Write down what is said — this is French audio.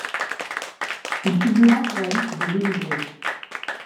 Il figura sur la liste des émigrés.